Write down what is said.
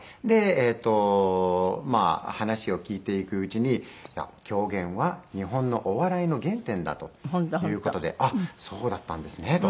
えっとまあ話を聞いていくうちに狂言は日本のお笑いの原点だという事であっそうだったんですねと。